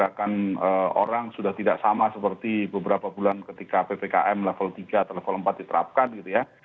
pergerakan orang sudah tidak sama seperti beberapa bulan ketika ppkm level tiga atau level empat diterapkan gitu ya